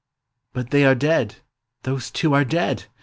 Hut t hoy arc dead ; those (wo are dead